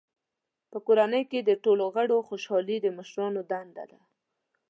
په کورنۍ کې د ټولو غړو خوشحالي د مشرانو دنده ده.